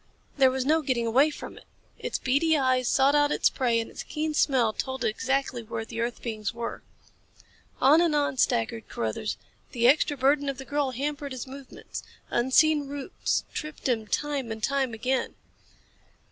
There was no getting away from it. Its beady eyes sought out its prey and its keen smell told it exactly where the earth beings were. On and on staggered Carruthers. The extra burden of the girl hampered his movements. Unseen roots tripped him time and time again.